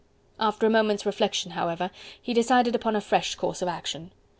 After a moment's reflection, however, he decided upon a fresh course of action.